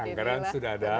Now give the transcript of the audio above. anggaran sudah ada